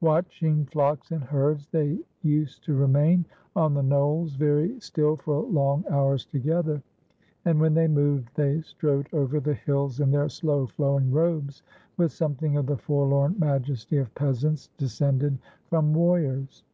Watching flocks and herds, they used to remain on the knolls very still for long hours together, and when they moved, they strode over the hills in their slow flowing robes with something of the forlorn majesty of peasants descended from warriors."